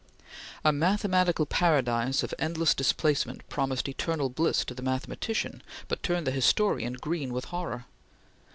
A mathematical paradise of endless displacement promised eternal bliss to the mathematician, but turned the historian green with horror.